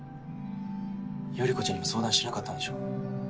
頼子ちゃんにも相談しなかったんでしょ？